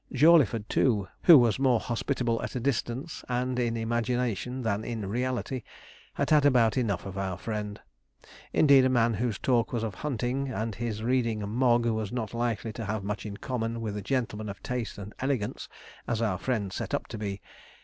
Jawleyford, too, who was more hospitable at a distance, and in imagination than in reality, had had about enough of our friend. Indeed, a man whose talk was of hunting, and his reading Mogg was not likely to have much in common with a gentleman of taste and elegance, as our friend set up to be.